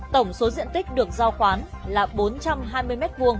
tổng số diện tích được giao khoán là bốn trăm hai mươi m hai